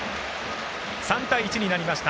３対１になりました。